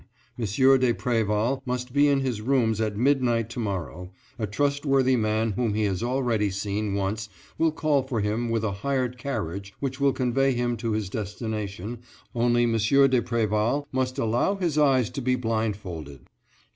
M. de Préval must be in his rooms at midnight tomorrow; a trustworthy man whom he has already seen once will call for him with a hired carriage which will convey him to his destination, only M. de Préval must allow his eyes to be blindfolded.